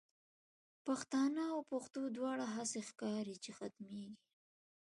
پښتانه او پښتو دواړه، هسی ښکاری چی ختمیږی